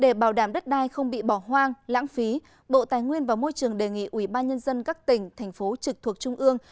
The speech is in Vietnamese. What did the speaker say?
để bảo đảm đất đai không bị bỏ hoang lãng phí bộ tài nguyên và môi trường đề nghị ubnd các tỉnh thành phố trực thuộc trung ương